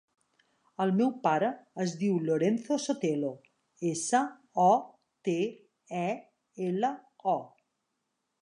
El meu pare es diu Lorenzo Sotelo: essa, o, te, e, ela, o.